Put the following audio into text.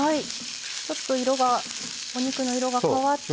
ちょっとお肉の色が変わったら。